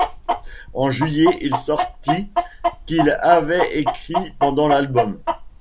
En juillet, il sortit ' qu'il avait écrit pendant l'album '.